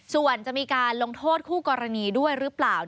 ส่วนจะมีการลงโทษคู่กรณีด้วยหรือเปล่า